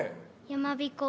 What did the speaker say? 「やまびこ」。